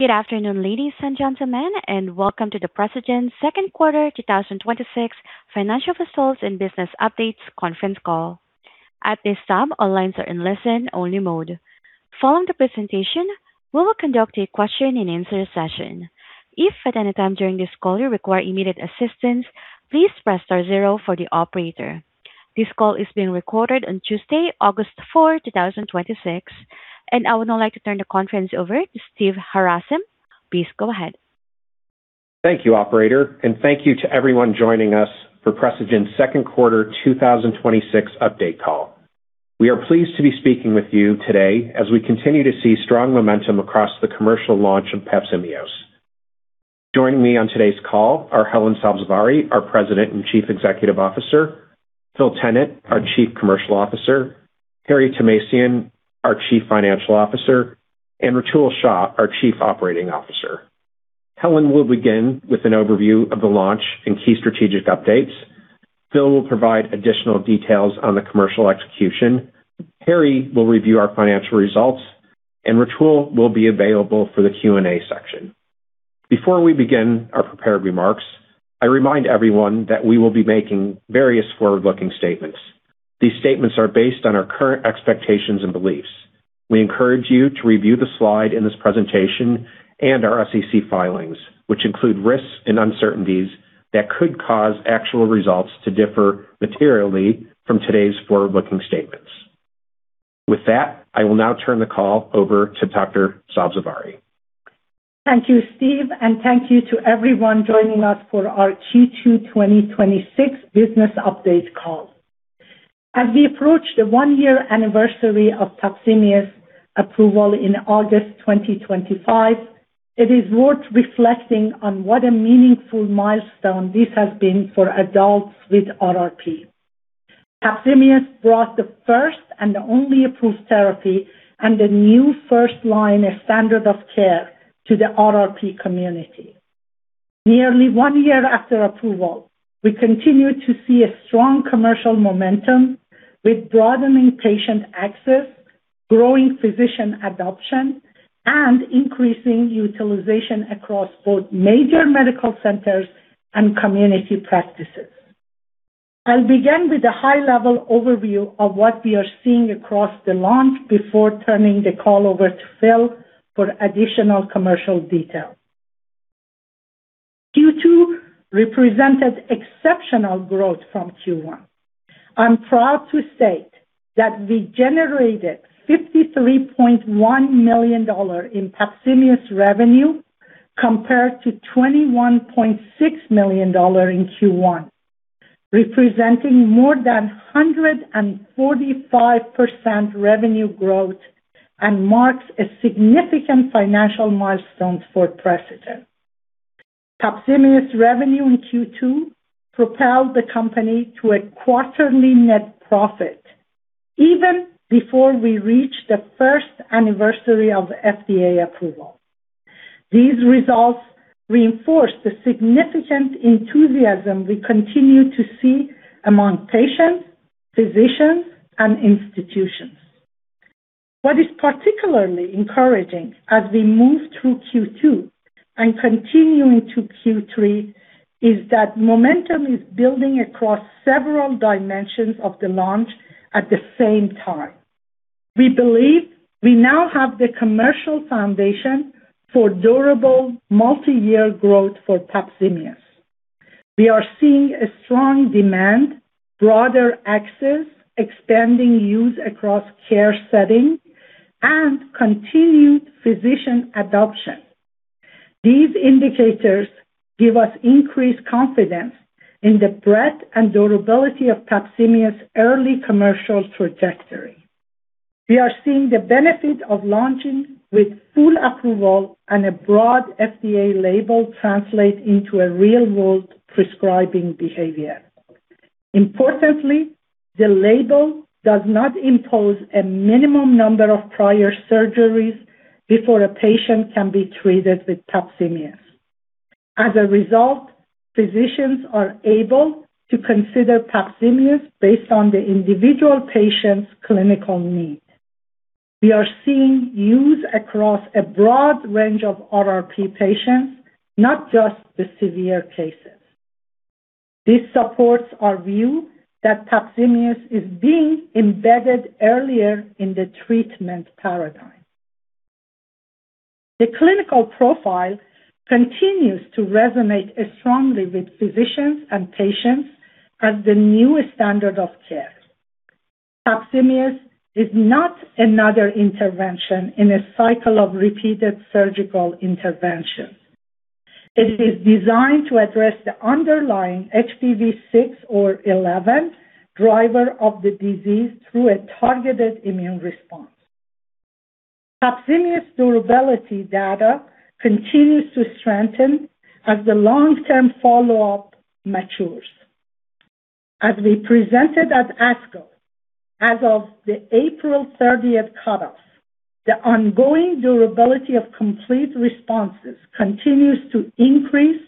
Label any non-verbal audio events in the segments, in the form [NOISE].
Good afternoon, ladies and gentlemen, and welcome to the Precigen Second Quarter 2026 Financial Results and Business Updates Conference Call. At this time, all lines are in listen-only mode. Following the presentation, we will conduct a question-and-answer session. If at any time during this call you require immediate assistance, please press star zero for the operator. This call is being recorded on Tuesday, August 4, 2026. I would now like to turn the conference over to Steve Harasym. Please go ahead. Thank you, operator, and thank you to everyone joining us for Precigen's second quarter 2026 update call. We are pleased to be speaking with you today as we continue to see strong momentum across the commercial launch of PAPZIMEOS. Joining me on today's call are Helen Sabzevari, our President and Chief Executive Officer, Phil Tennant, our Chief Commercial Officer, Harry Thomasian, our Chief Financial Officer, and Rutul Shah, our Chief Operating Officer. Helen will begin with an overview of the launch and key strategic updates. Phil will provide additional details on the commercial execution. Harry will review our financial results, and Rutul will be available for the Q&A section. Before we begin our prepared remarks, I remind everyone that we will be making various forward-looking statements. These statements are based on our current expectations and beliefs. We encourage you to review the slide in this presentation and our SEC filings, which include risks and uncertainties that could cause actual results to differ materially from today's forward-looking statements. With that, I will now turn the call over to Dr. Sabzevari. Thank you, Steve, and thank you to everyone joining us for our Q2 2026 business update call. As we approach the one-year anniversary of PAPZIMEOS approval in August 2025, it is worth reflecting on what a meaningful milestone this has been for adults with RRP. PAPZIMEOS brought the first and only approved therapy and a new first-line standard of care to the RRP community. Nearly one year after approval, we continue to see a strong commercial momentum with broadening patient access, growing physician adoption, and increasing utilization across both major medical centers and community practices. I'll begin with a high-level overview of what we are seeing across the launch before turning the call over to Phil for additional commercial detail. Q2 represented exceptional growth from Q1. I am proud to state that we generated $53.1 million in PAPZIMEOS revenue compared to $21.6 million in Q1, representing more than 145% revenue growth and marks a significant financial milestone for Precigen. PAPZIMEOS revenue in Q2 propelled the company to a quarterly net profit even before we reach the first anniversary of FDA approval. These results reinforce the significant enthusiasm we continue to see among patients, physicians, and institutions. What is particularly encouraging as we move through Q2 and continue into Q3 is that momentum is building across several dimensions of the launch at the same time. We believe we now have the commercial foundation for durable multi-year growth for PAPZIMEOS. We are seeing a strong demand, broader access, expanding use across care settings, and continued physician adoption. These indicators give us increased confidence in the breadth and durability of PAPZIMEOS' early commercial trajectory. We are seeing the benefit of launching with full approval and a broad FDA label translate into a real-world prescribing behavior. Importantly, the label does not impose a minimum number of prior surgeries before a patient can be treated with PAPZIMEOS. As a result, physicians are able to consider PAPZIMEOS based on the individual patient's clinical need. We are seeing use across a broad range of RRP patients, not just the severe cases. This supports our view that PAPZIMEOS is being embedded earlier in the treatment paradigm. The clinical profile continues to resonate strongly with physicians and patients as the new standard of care. PAPZIMEOS is not another intervention in a cycle of repeated surgical interventions. It is designed to address the underlying HPV 6 or 11 driver of the disease through a targeted immune response. PAPZIMEOS durability data continues to strengthen as the long-term follow-up matures. As we presented at ASCO, as of the April 30th cut-off, the ongoing durability of complete responses continues to increase,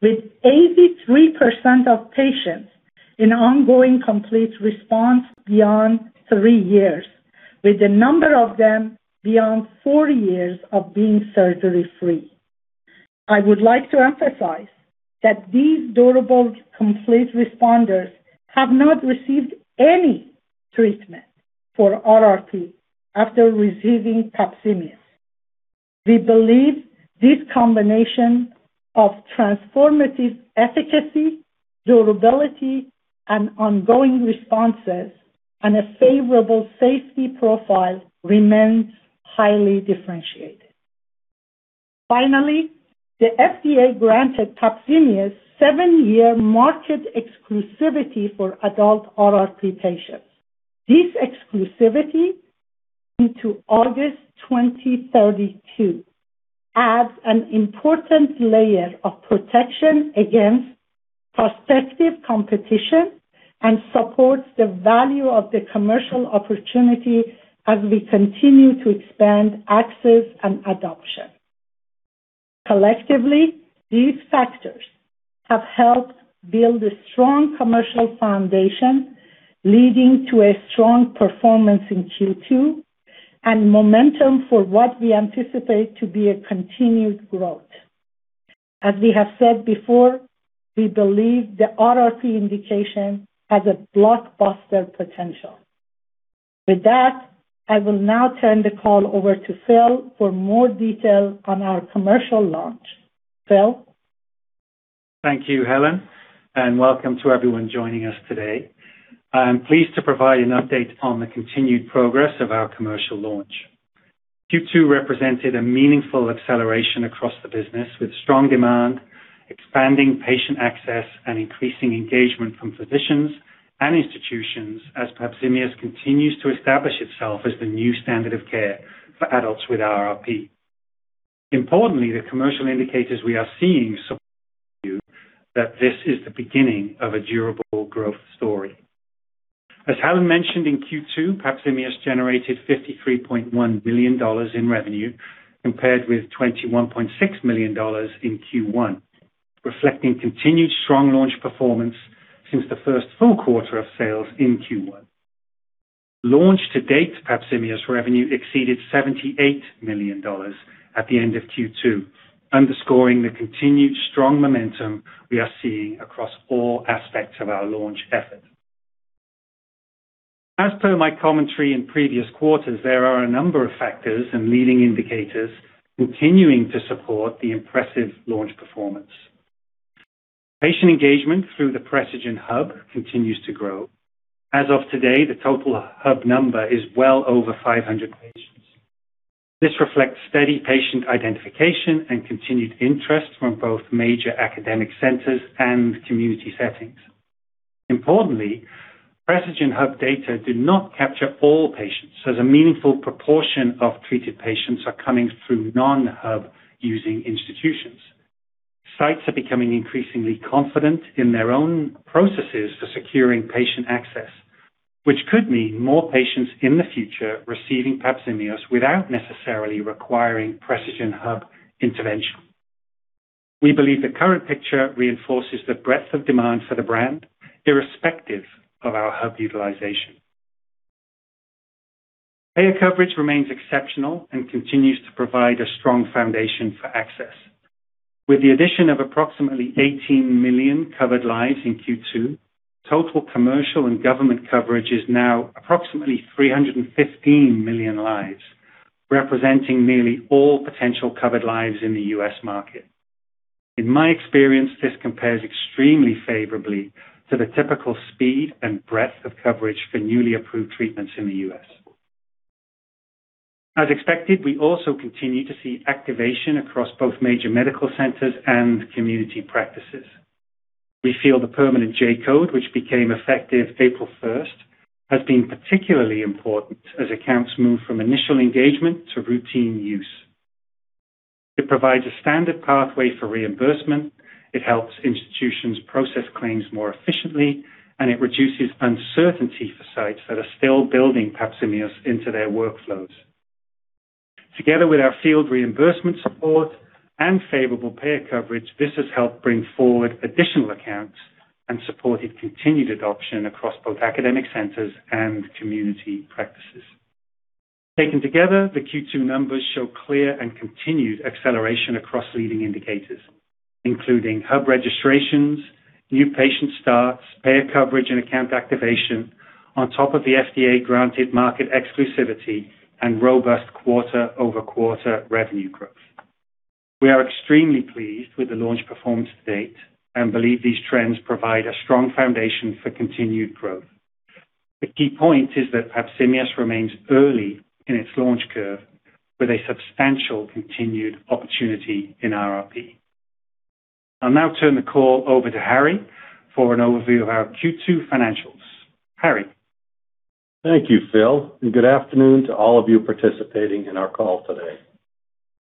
with 83% of patients in ongoing complete response beyond three years, with a number of them beyond four years of being surgery-free. I would like to emphasize that these durable, complete responders have not received any treatment for RRP after receiving PAPZIMEOS. We believe this combination of transformative efficacy, durability, and ongoing responses, and a favorable safety profile remains highly differentiated. Finally, the FDA granted PAPZIMEOS seven-year market exclusivity for adult RRP patients. This exclusivity into August 2032 adds an important layer of protection against prospective competition and supports the value of the commercial opportunity as we continue to expand access and adoption. Collectively, these factors have helped build a strong commercial foundation, leading to a strong performance in Q2 and momentum for what we anticipate to be a continued growth. As we have said before, we believe the RRP indication has a blockbuster potential. With that, I will now turn the call over to Phil for more detail on our commercial launch. Phil? Thank you, Helen, and welcome to everyone joining us today. I'm pleased to provide an update on the continued progress of our commercial launch. Q2 represented a meaningful acceleration across the business, with strong demand, expanding patient access, and increasing engagement from physicians and institutions as PAPZIMEOS continues to establish itself as the new standard of care for adults with RRP. Importantly, the commercial indicators we are seeing that this is the beginning of a durable growth story. As Helen mentioned, in Q2, PAPZIMEOS generated $53.1 million in revenue compared with $21.6 million in Q1, reflecting continued strong launch performance since the first full quarter of sales in Q1. Launch to date, PAPZIMEOS revenue exceeded $78 million at the end of Q2, underscoring the continued strong momentum we are seeing across all aspects of our launch effort. As per my commentary in previous quarters, there are a number of factors and leading indicators continuing to support the impressive launch performance. Patient engagement through the Precigen hub continues to grow. As of today, the total hub number is well over 500 patients. This reflects steady patient identification and continued interest from both major academic centers and community settings. Importantly, Precigen hub data do not capture all patients, as a meaningful proportion of treated patients are coming through non-hub-using institutions. Sites are becoming increasingly confident in their own processes for securing patient access, which could mean more patients in the future receiving PAPZIMEOS without necessarily requiring Precigen hub intervention. We believe the current picture reinforces the breadth of demand for the brand irrespective of our hub utilization. Payer coverage remains exceptional and continues to provide a strong foundation for access. With the addition of approximately 18 million covered lives in Q2, total commercial and government coverage is now approximately 315 million lives, representing nearly all potential covered lives in the U.S. market. In my experience, this compares extremely favorably to the typical speed and breadth of coverage for newly approved treatments in the U.S. As expected, we also continue to see activation across both major medical centers and community practices. We feel the permanent J-code, which became effective April 1st, has been particularly important as accounts move from initial engagement to routine use. It provides a standard pathway for reimbursement, it helps institutions process claims more efficiently, and it reduces uncertainty for sites that are still building PAPZIMEOS into their workflows. Together with our field reimbursement support and favorable payer coverage, this has helped bring forward additional accounts and supported continued adoption across both academic centers and community practices. Taken together, the Q2 numbers show clear and continued acceleration across leading indicators, including hub registrations, new patient starts, payer coverage, and account activation on top of the FDA-granted market exclusivity and robust quarter-over-quarter revenue growth. We are extremely pleased with the launch performance to date and believe these trends provide a strong foundation for continued growth. The key point is that PAPZIMEOS remains early in its launch curve with a substantial continued opportunity in RRP. I'll now turn the call over to Harry for an overview of our Q2 financials. Harry? Thank you, Phil, and good afternoon to all of you participating in our call today.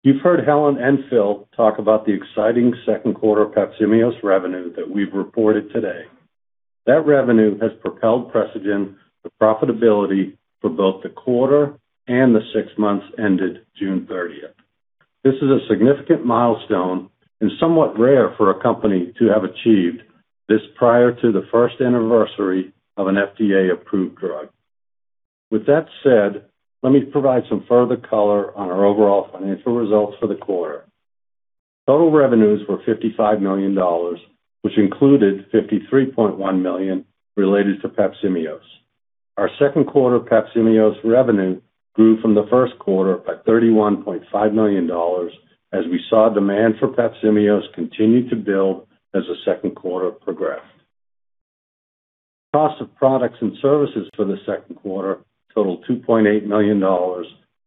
You've heard Helen and Phil talk about the exciting second quarter PAPZIMEOS revenue that we've reported today. That revenue has propelled Precigen to profitability for both the quarter and the six months ended June 30th. This is a significant milestone and somewhat rare for a company to have achieved this prior to the first anniversary of an FDA-approved drug. Let me provide some further color on our overall financial results for the quarter. Total revenues were $55 million, which included $53.1 million related to PAPZIMEOS. Our second quarter PAPZIMEOS revenue grew from the first quarter by $31.5 million as we saw demand for PAPZIMEOS continue to build as the second quarter progressed. Cost of products and services for the second quarter totaled $2.8 million,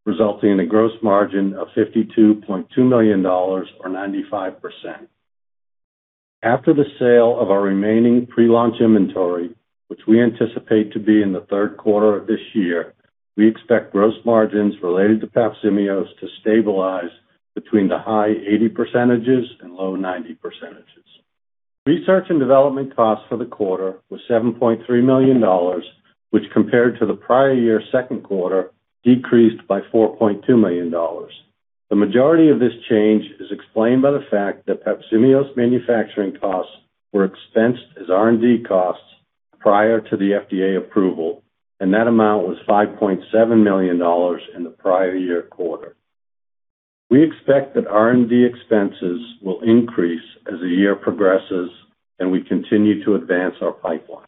resulting in a gross margin of $52.2 million, or 95%. After the sale of our remaining pre-launch inventory, which we anticipate to be in the third quarter of this year, we expect gross margins related to PAPZIMEOS to stabilize between the high 80% and low 90%. Research and development costs for the quarter were $7.3 million, which compared to the prior year second quarter, decreased by $4.2 million. The majority of this change is explained by the fact that PAPZIMEOS manufacturing costs were expensed as R&D costs prior to the FDA approval, and that amount was $5.7 million in the prior year quarter. We expect that R&D expenses will increase as the year progresses and we continue to advance our pipeline.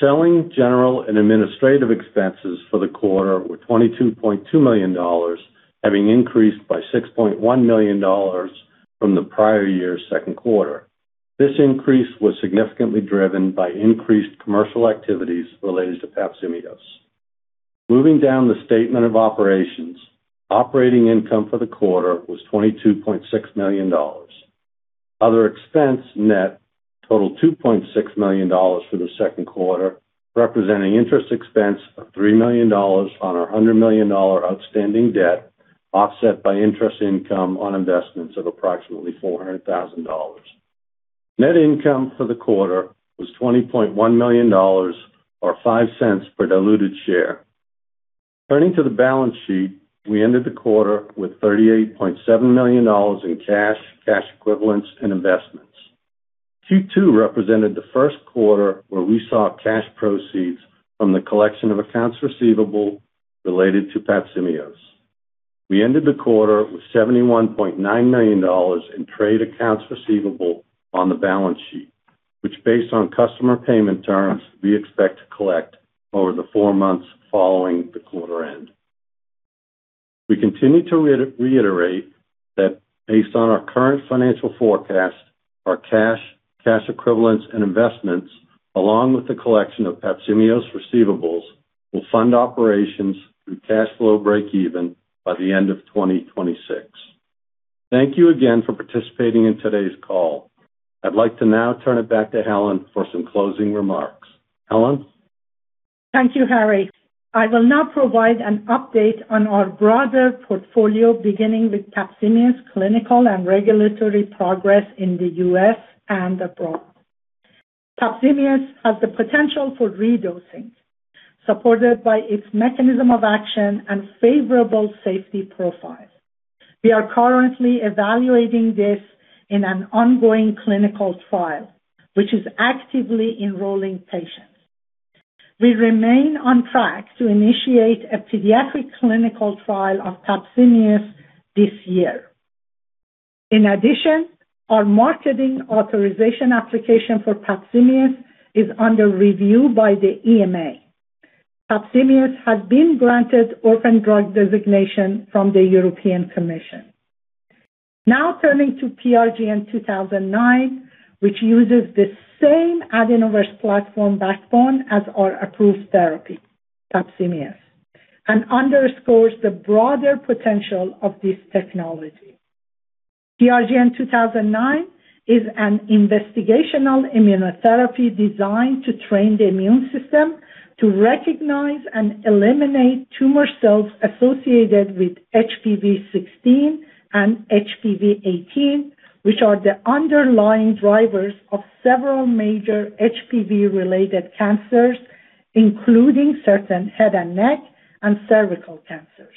Selling, general and administrative expenses for the quarter were $22.2 million, having increased by $6.1 million from the prior year's second quarter. This increase was significantly driven by increased commercial activities related to PAPZIMEOS. Moving down the statement of operations, operating income for the quarter was $22.6 million. Other expense net totaled $2.6 million for the second quarter, representing interest expense of $3 million on our $100 million outstanding debt, offset by interest income on investments of approximately $400,000. Net income for the quarter was $20.1 million, or $0.05 per diluted share. Turning to the balance sheet, we ended the quarter with $38.7 million in cash equivalents, and investments. Q2 represented the first quarter where we saw cash proceeds from the collection of accounts receivable related to PAPZIMEOS. We ended the quarter with $71.9 million in trade accounts receivable on the balance sheet, which based on customer payment terms, we expect to collect over the four months following the quarter end. We continue to reiterate that based on our current financial forecast, our cash equivalents, and investments, along with the collection of PAPZIMEOS receivables, will fund operations through cash flow breakeven by the end of 2026. Thank you again for participating in today's call. I'd like to now turn it back to Helen for some closing remarks. Helen? Thank you, Harry. I will now provide an update on our broader portfolio, beginning with PAPZIMEOS clinical and regulatory progress in the U.S. and abroad. PAPZIMEOS has the potential for redosing, supported by its mechanism of action and favorable safety profile. We are currently evaluating this in an ongoing clinical trial, which is actively enrolling patients. We remain on track to initiate a pediatric clinical trial of PAPZIMEOS this year. Our marketing authorization application for PAPZIMEOS is under review by the EMA. PAPZIMEOS has been granted Orphan Drug Designation from the European Commission. Turning to PRGN-2009, which uses the same AdenoVerse platform backbone as our approved therapy, PAPZIMEOS, and underscores the broader potential of this technology. PRGN-2009 is an investigational immunotherapy designed to train the immune system to recognize and eliminate tumor cells associated with HPV16 and HPV18, which are the underlying drivers of several major HPV-related cancers, including certain head and neck and cervical cancers.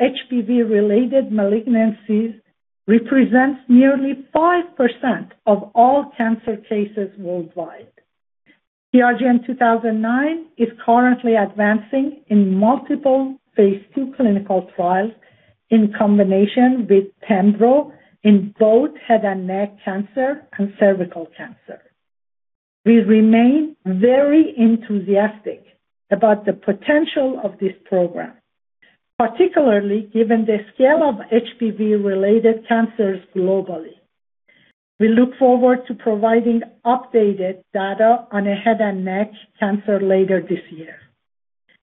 HPV-related malignancies represents nearly 5% of all cancer cases worldwide. PRGN-2009 is currently advancing in multiple phase II clinical trials in combination with pembrolizumab in both head and neck cancer and cervical cancer. We remain very enthusiastic about the potential of this program, particularly given the scale of HPV-related cancers globally. We look forward to providing updated data on a head and neck cancer later this year.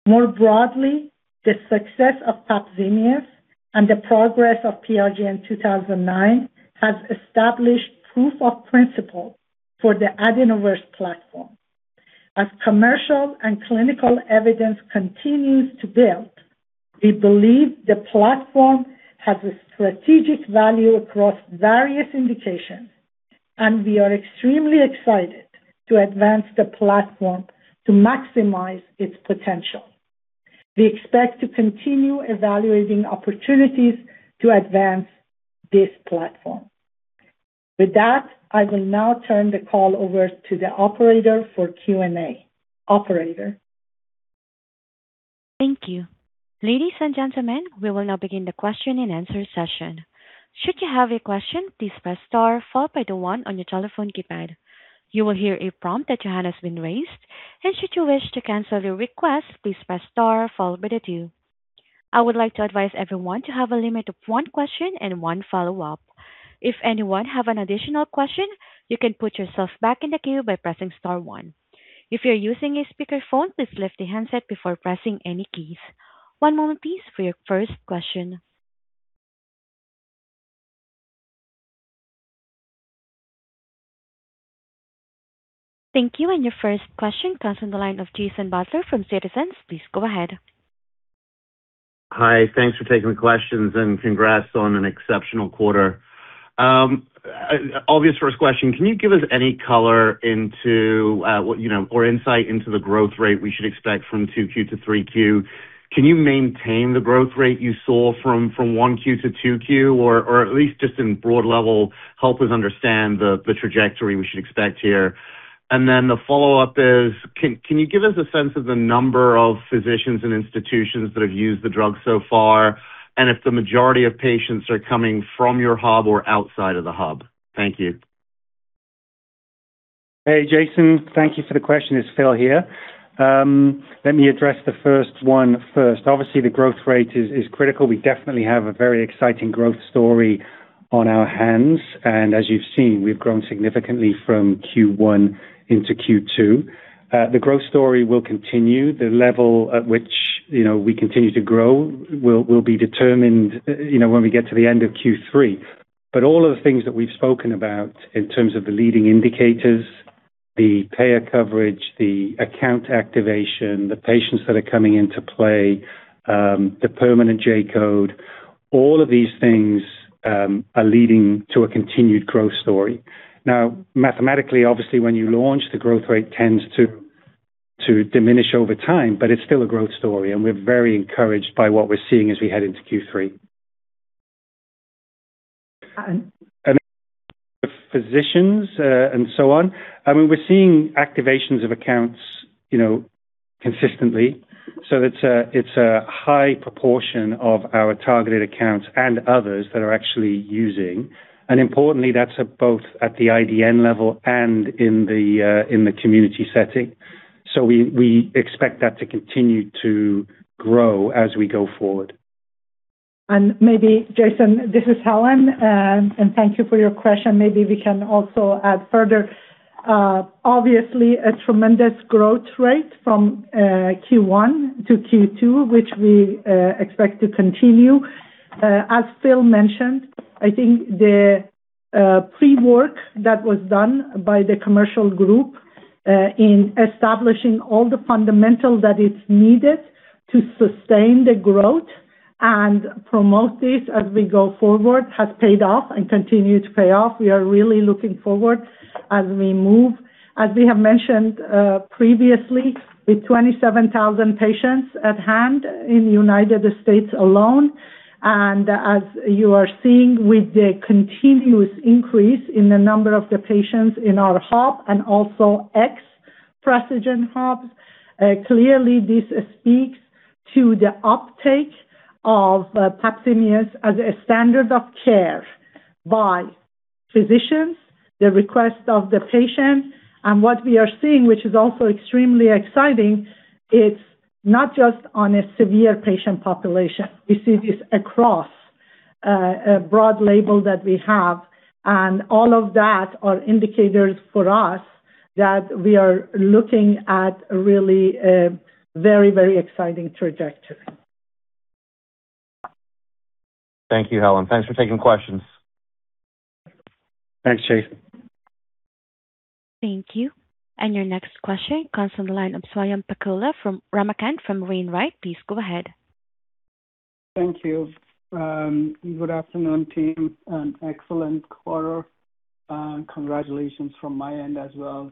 More broadly, the success of PAPZIMEOS and the progress of PRGN-2009 has established proof of principle for the AdenoVerse platform. As commercial and clinical evidence continues to build, we believe the platform has a strategic value across various indications. We are extremely excited to advance the platform to maximize its potential. We expect to continue evaluating opportunities to advance this platform. I will now turn the call over to the operator for Q&A. Operator? Thank you. Ladies and gentlemen, we will now begin the question and answer session. Should you have a question, please press star followed by the one on your telephone keypad. You will hear a prompt that your hand has been raised. Should you wish to cancel your request, please press star followed by the two. I would like to advise everyone to have a limit of one question and one follow-up. If anyone has an additional question, you can put yourself back in the queue by pressing star one. If you're using a speakerphone, please lift the handset before pressing any keys. One moment please for your first question. Thank you. Your first question comes from the line of Jason Butler from Citizens. Please go ahead. Hi. Thanks for taking the questions. Congrats on an exceptional quarter. Obvious first question, can you give us any color into or insight into the growth rate we should expect from 2Q to 3Q? Can you maintain the growth rate you saw from 1Q to 2Q? At least just in broad level, help us understand the trajectory we should expect here. The follow-up is, can you give us a sense of the number of physicians and institutions that have used the drug so far, and if the majority of patients are coming from your hub or outside of the hub? Thank you. Hey, Jason. Thank you for the question. It's Phil here. Let me address the first one first. Obviously, the growth rate is critical. We definitely have a very exciting growth story on our hands, and as you've seen, we've grown significantly from Q1 into Q2. The growth story will continue. The level at which we continue to grow will be determined when we get to the end of Q3. All of the things that we've spoken about in terms of the leading indicators, the payer coverage, the account activation, the patients that are coming into play, the permanent J-code, all of these things are leading to a continued growth story. Now, mathematically, obviously, when you launch, the growth rate tends to diminish over time, but it's still a growth story, and we're very encouraged by what we're seeing as we head into Q3. [CROSSTALK] The physicians, so on. We're seeing activations of accounts consistently, so it's a high proportion of our targeted accounts and others that are actually using. Importantly, that's both at the IDN level and in the community setting. We expect that to continue to grow as we go forward. Maybe, Jason, this is Helen, and thank you for your question. Maybe we can also add further. Obviously, a tremendous growth rate from Q1 to Q2, which we expect to continue. As Phil mentioned, I think the pre-work that was done by the commercial group in establishing all the fundamentals that is needed to sustain the growth and promote this as we go forward has paid off and continue to pay off. We are really looking forward as we move. As we have mentioned previously, with 27,000 patients at hand in the United States alone, and as you are seeing with the continuous increase in the number of the patients in our hub and also ex Precigen hub, clearly this speaks to the uptake of PAPZIMEOS as a standard of care by physicians, the request of the patient. What we are seeing, which is also extremely exciting, it's not just on a severe patient population. We see this across a broad label that we have. All of that are indicators for us that we are looking at a really very exciting trajectory. Thank you, Helen. Thanks for taking questions. Thanks, Jason. Thank you. Your next question comes from the line of Swayampakula Ramakanth from Wainwright. Please go ahead. Thank you. Good afternoon, team. An excellent quarter. Congratulations from my end as well.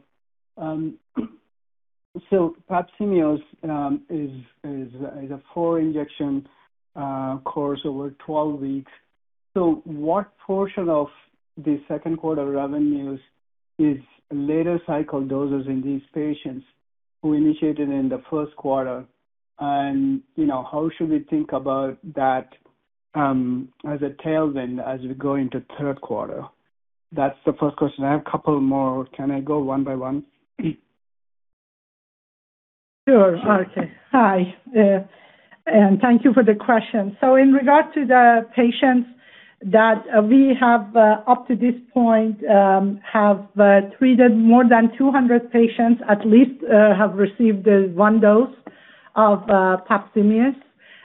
PAPZIMEOS is a four-injection course over 12 weeks. What portion of the second quarter revenues is later cycle doses in these patients who initiated in the first quarter? How should we think about that as a tailwind as we go into the third quarter? That's the first question. I have a couple more. Can I go one by one? Sure. Okay. Hi, thank you for the question. In regard to the patients that we have up to this point have treated more than 200 patients, at least have received one dose of PAPZIMEOS.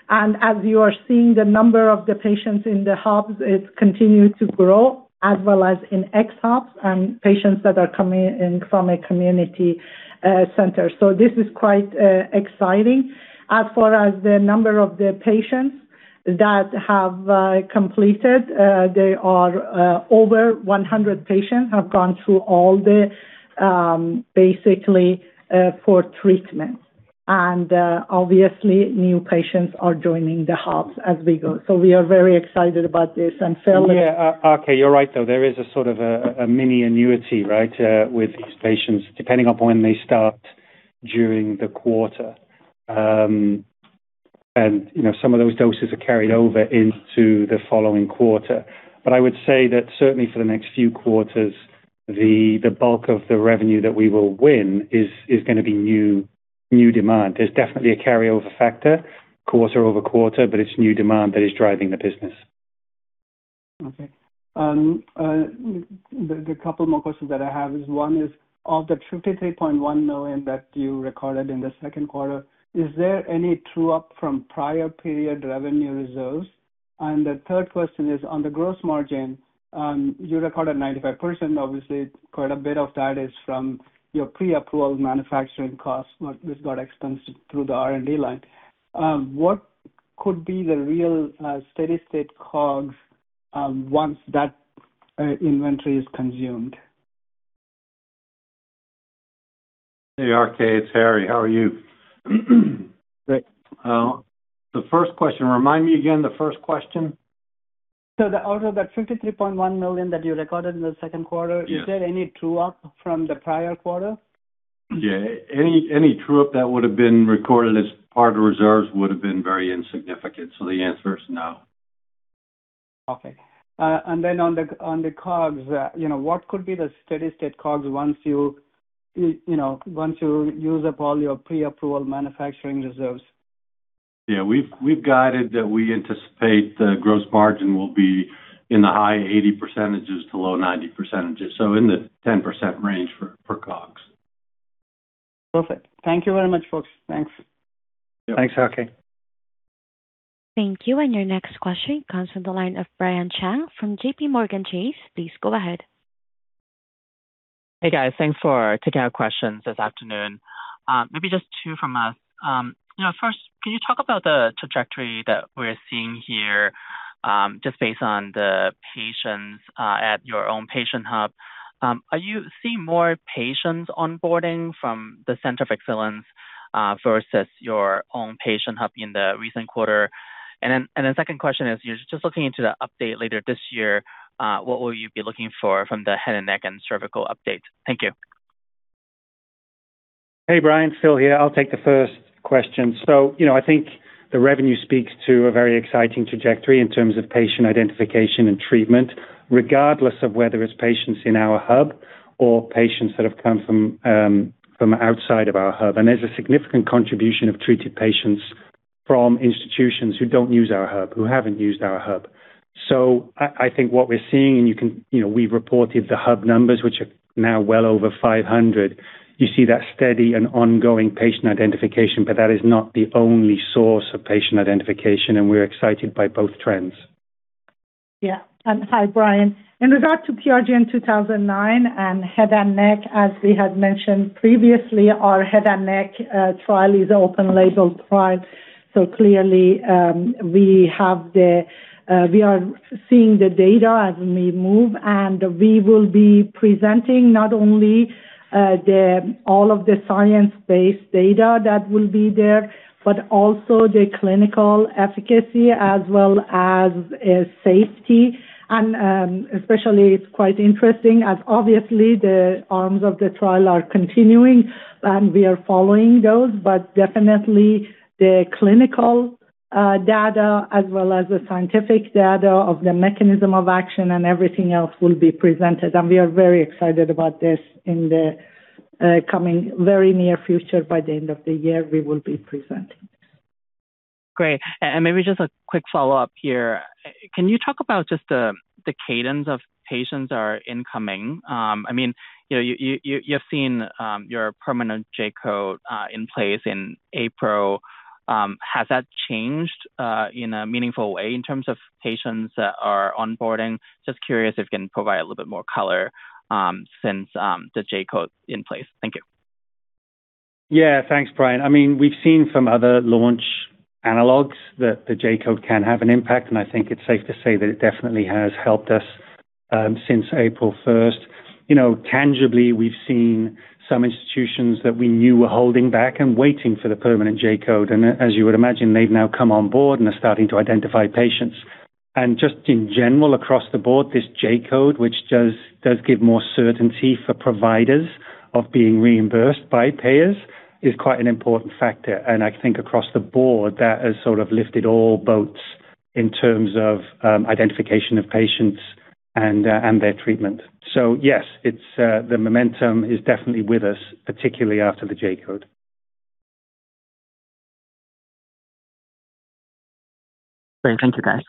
As you are seeing, the number of the patients in the hubs is continuing to grow, as well as in ex hubs and patients that are coming in from a community center. This is quite exciting. As for the number of the patients that have completed. There are over 100 patients have gone through basically four treatments. Obviously, new patients are joining the hubs as we go. We are very excited about this and fairly. [CROSSTALK] Yeah. Okay, you're right, though. There is a sort of mini annuity, right? With these patients, depending on when they start during the quarter. Some of those doses are carried over into the following quarter. I would say that certainly for the next few quarters, the bulk of the revenue that we will win is going to be new demand. There's definitely a carryover factor quarter-over-quarter, it's new demand that is driving the business. Okay. The couple more questions that I have is, one is, of the $53.1 million that you recorded in the second quarter, is there any true-up from prior period revenue reserves? The third question is, on the gross margin, you recorded 95%. Obviously, quite a bit of that is from your pre-approval manufacturing costs, but it's got expense through the R&D line. What could be the real steady-state COGS once that inventory is consumed? Hey, RK, it's Harry. How are you? Great. The first question, remind me again the first question. Out of that $53.1 million that you recorded in the second quarter. Yeah. Is there any true-up from the prior quarter? Yeah. Any true-up that would've been recorded as part of reserves would've been very insignificant. The answer is no. Okay. On the COGS, what could be the steady-state COGS once you use up all your pre-approval manufacturing reserves? Yeah. We've guided that we anticipate the gross margin will be in the high 80% to low 90%. In the 10% range for COGS. Perfect. Thank you very much, folks. Thanks. Yeah. Thanks, RK. Thank you. Your next question comes from the line of Brian Cheng from JPMorgan Chase. Please go ahead. Hey, guys. Thanks for taking our questions this afternoon. Maybe just two from us. First, can you talk about the trajectory that we're seeing here, just based on the patients at your own patient hub? Are you seeing more patients onboarding from the Center of Excellence, versus your own patient hub in the recent quarter? Second question is, you're just looking into the update later this year, what will you be looking for from the head and neck and cervical updates? Thank you. Hey, Brian. Phil here. I'll take the first question. I think the revenue speaks to a very exciting trajectory in terms of patient identification and treatment, regardless of whether it's patients in our hub or patients that have come from outside of our hub. There's a significant contribution of treated patients from institutions who don't use our hub, who haven't used our hub. I think what we're seeing, and we've reported the hub numbers, which are now well over 500. You see that steady and ongoing patient identification, but that is not the only source of patient identification, and we're excited by both trends. Yeah. Hi, Brian. In regard to PRGN-2009 and head and neck, as we had mentioned previously, our head and neck trial is an open label trial. Clearly, we are seeing the data as we move, and we will be presenting not only all of the science-based data that will be there, but also the clinical efficacy as well as safety. Especially, it's quite interesting as obviously the arms of the trial are continuing, and we are following those. Definitely the clinical data as well as the scientific data of the mechanism of action and everything else will be presented. We are very excited about this in the coming very near future. By the end of the year, we will be presenting. Great. Maybe just a quick follow-up here. Can you talk about just the cadence of patients are incoming? You've seen your permanent J-code in place in April. Has that changed in a meaningful way in terms of patients that are onboarding? Just curious if you can provide a little bit more color since the J-code's in place. Thank you. Yeah. Thanks, Brian. We've seen some other launch analogs that the J-code can have an impact, I think it's safe to say that it definitely has helped us since April 1st. Tangibly, we've seen some institutions that we knew were holding back and waiting for the permanent J-code, as you would imagine, they've now come on board and are starting to identify patients. Just in general, across the board, this J-code, which does give more certainty for providers of being reimbursed by payers, is quite an important factor. I think across the board, that has sort of lifted all boats in terms of identification of patients and their treatment. Yes, the momentum is definitely with us, particularly after the J-code. Great. Thank you, guys.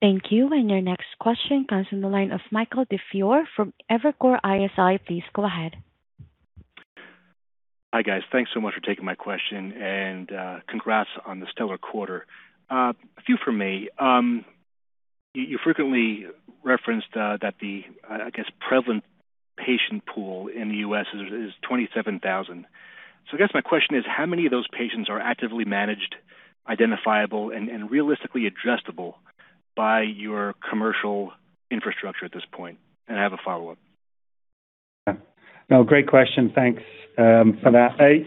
Thank you. Your next question comes from the line of Michael DiFiore from Evercore ISI. Please go ahead. Hi, guys. Thanks so much for taking my question and congrats on the stellar quarter. A few from me. You frequently referenced that the, I guess, prevalent patient pool in the U.S. is 27,000. I guess my question is, how many of those patients are actively managed, identifiable, and realistically addressable by your commercial infrastructure at this point? I have a follow-up. Yeah. No, great question. Thanks for that.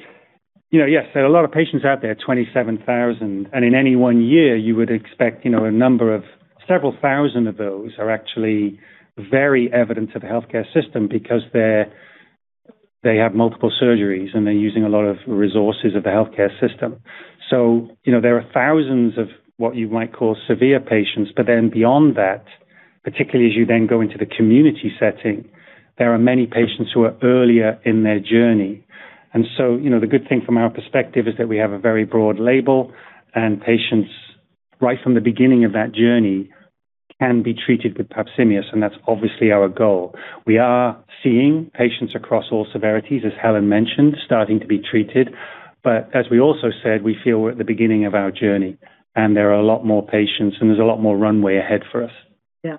Yes, there are a lot of patients out there, 27,000, and in any one year, you would expect a number of several thousand of those are actually very evident to the healthcare system because they have multiple surgeries and they're using a lot of resources of the healthcare system. There are thousands of what you might call severe patients. Beyond that, particularly as you then go into the community setting, there are many patients who are earlier in their journey. The good thing from our perspective is that we have a very broad label, and patients right from the beginning of that journey can be treated with PAPZIMEOS, and that's obviously our goal. We are seeing patients across all severities, as Helen mentioned, starting to be treated. As we also said, we feel we're at the beginning of our journey and there are a lot more patients, and there's a lot more runway ahead for us. Yeah.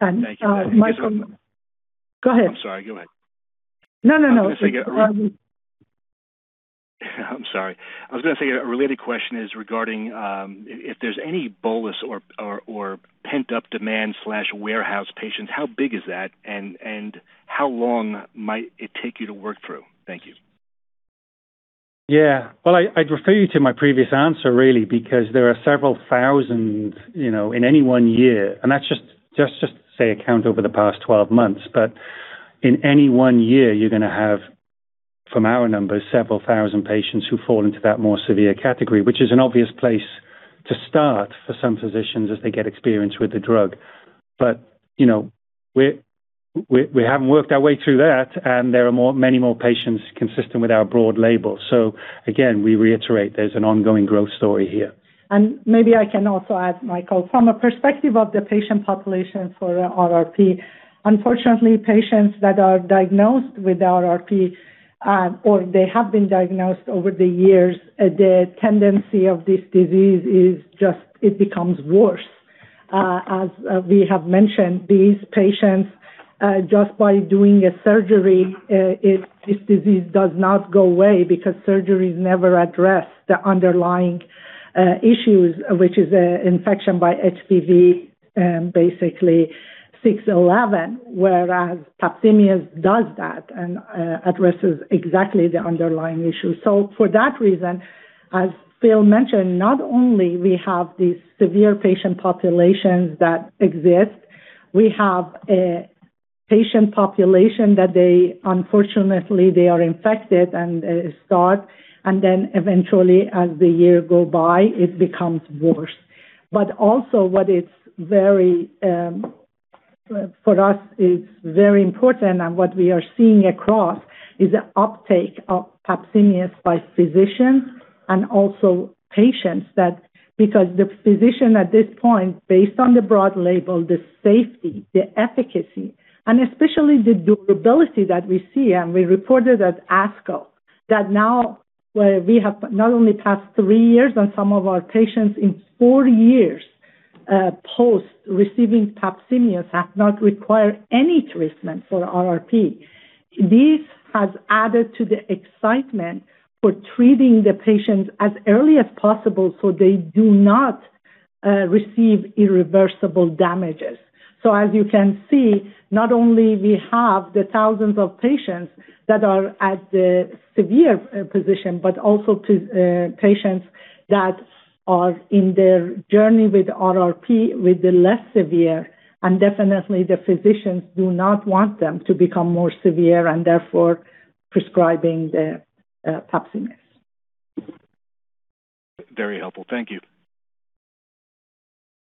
Michael. Thank you. Go ahead. I'm sorry. Go ahead. No, no. I was going to say I'm sorry. I was going to say, a related question is regarding if there's any bolus or pent-up demand/warehouse patients, how big is that, and how long might it take you to work through? Thank you. Well, I'd refer you to my previous answer, really, because there are several thousand in any one year, and that's just say a count over the past 12 months. In any one year, you're going to have, from our numbers, several thousand patients who fall into that more severe category, which is an obvious place to start for some physicians as they get experience with the drug. We haven't worked our way through that, and there are many more patients consistent with our broad label. Again, we reiterate, there's an ongoing growth story here. Maybe I can also add, Michael. From a perspective of the patient population for RRP, unfortunately, patients that are diagnosed with RRP, or they have been diagnosed over the years, the tendency of this disease is just it becomes worse. As we have mentioned, these patients, just by doing a surgery, this disease does not go away because surgeries never address the underlying issues, which is an infection by HPV, basically 6 and 11, whereas PAPZIMEOS does that and addresses exactly the underlying issue. For that reason, as Phil mentioned, not only we have these severe patient populations that exist, we have a patient population that they unfortunately they are infected and it start, and then eventually, as the year go by, it becomes worse. Also, what for us is very important and what we are seeing across is the uptake of PAPZIMEOS by physicians and also patients that because the physician at this point, based on the broad label, the safety, the efficacy, and especially the durability that we see, and we reported at ASCO that now where we have not only past three years on some of our patients, in four years post receiving PAPZIMEOS has not required any treatment for RRP. This has added to the excitement for treating the patients as early as possible so they do not receive irreversible damages. As you can see, not only we have the thousands of patients that are at the severe position, but also patients that are in their journey with RRP with the less severe, and definitely the physicians do not want them to become more severe and therefore prescribing the PAPZIMEOS. Very helpful. Thank you.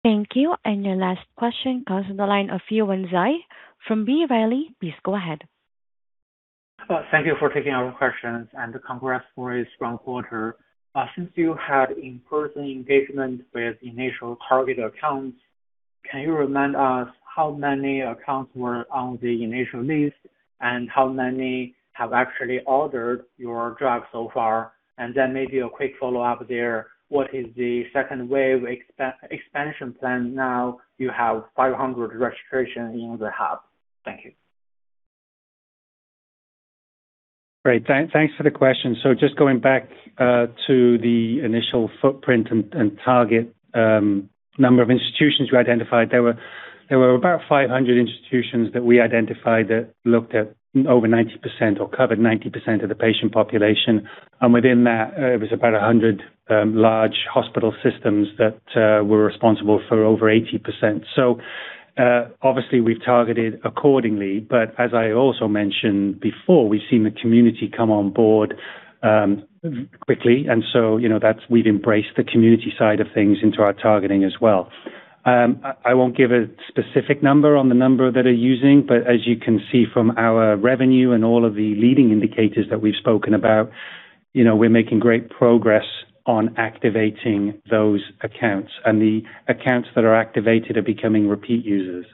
Thank you. Your last question comes on the line of Yuan Zhi from B. Riley. Please go ahead. Thank you for taking our questions, and congrats for a strong quarter. Since you had in-person engagement with initial target accounts, can you remind us how many accounts were on the initial list and how many have actually ordered your drug so far? What is the second wave expansion plan now you have 500 registration in the hub? Thank you. Great. Thanks for the question. Just going back to the initial footprint and target number of institutions we identified, there were about 500 institutions that we identified that looked at over 90% or covered 90% of the patient population. Within that, it was about 100 large hospital systems that were responsible for over 80%. Obviously we've targeted accordingly, but as I also mentioned before, we've seen the community come on board quickly, we've embraced the community side of things into our targeting as well. I won't give a specific number on the number that are using, but as you can see from our revenue and all of the leading indicators that we've spoken about, we're making great progress on activating those accounts, and the accounts that are activated are becoming repeat users.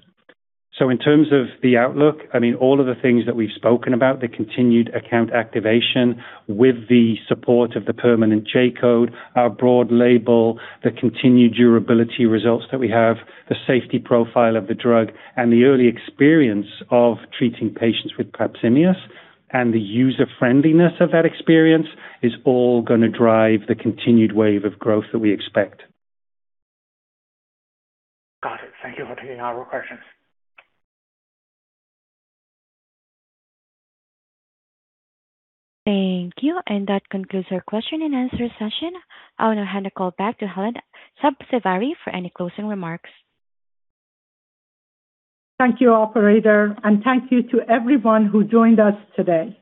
In terms of the outlook, all of the things that we've spoken about, the continued account activation with the support of the permanent J-code, our broad label, the continued durability results that we have, the safety profile of the drug, the early experience of treating patients with PAPZIMEOS, and the user-friendliness of that experience is all going to drive the continued wave of growth that we expect. Got it. Thank you for taking our questions. Thank you. That concludes our question and answer session. I will now hand the call back to Helen Sabzevari for any closing remarks. Thank you, operator, thank you to everyone who joined us today.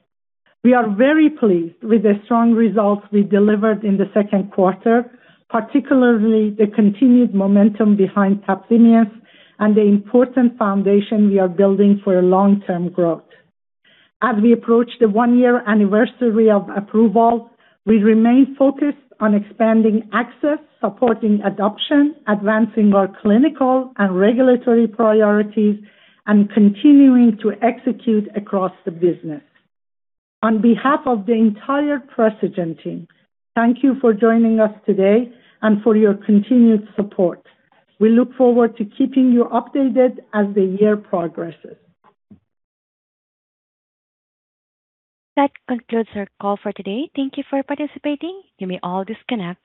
We are very pleased with the strong results we delivered in the second quarter, particularly the continued momentum behind PAPZIMEOS and the important foundation we are building for long-term growth. As we approach the one-year anniversary of approval, we remain focused on expanding access, supporting adoption, advancing our clinical and regulatory priorities, and continuing to execute across the business. On behalf of the entire Precigen team, thank you for joining us today and for your continued support. We look forward to keeping you updated as the year progresses. That concludes our call for today. Thank you for participating. You may all disconnect.